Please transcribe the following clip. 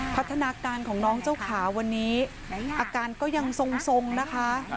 พัฒนาการของน้องเจ้าขาวันนี้อาการก็ยังทรงนะคะ